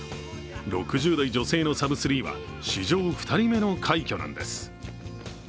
６０代女性のサブ３は史上２人目の快挙なんです。